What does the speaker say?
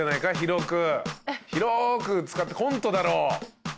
広く使ってコントだろう。